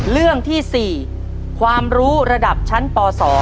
เรื่องที่๔ความรู้ระดับชั้นป๒